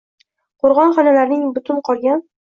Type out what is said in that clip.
qo‘rg‘on xonalarining butun qolgan